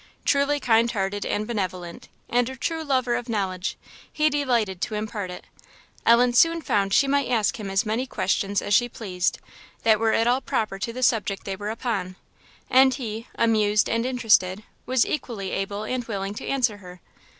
Truly kind hearted and benevolent, and a true lover of knowledge, he delighted to impart it. Ellen soon found she might ask him as many questions as she pleased, that were at all proper to the subject they were upon; and he, amused and interested, was equally able and willing to answer her.